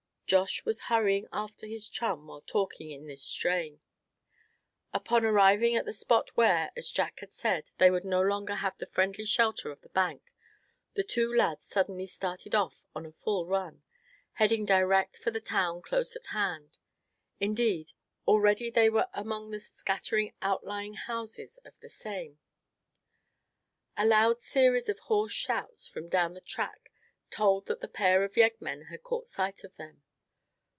Josh was hurrying after his chum while talking in this strain. Upon arriving at the spot where, as Jack had said, they would no longer have the friendly shelter of the bank, the two lads suddenly started off on a full run, heading direct for the town close at hand; indeed, already they were among the scattering outlying houses of the same. A loud series of hoarse shouts from down the track told that the pair of yeggmen had caught sight of them.